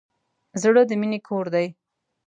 زړه د مینې کور دی.